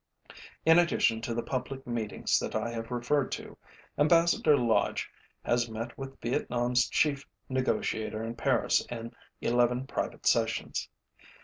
In addition to the public meetings that I have referred to, Ambassador Lodge has met with VietnamÆs chief negotiator in Paris in 11 private sessions.